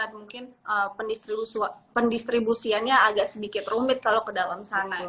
mungkin pendistribusiannya agak sedikit rumit kalau ke dalam sana